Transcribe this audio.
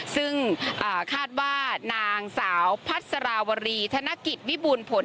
ซึ่งคาดว่านางสาวพัสราวรีธนกิจวิบูรณ์ผล